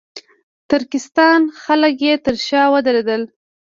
ترکستان خلک یې تر شا ودرېدل.